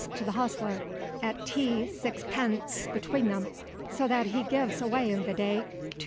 to the hostler; at tea 6d. between them, so that he gives away in the day 2s.